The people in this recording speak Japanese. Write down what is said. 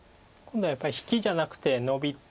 今度はやっぱり引きじゃなくてノビて。